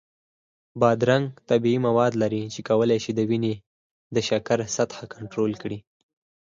بادرنګ طبیعي مواد لري چې کولی شي د وینې د شکر سطحه کنټرول کړي.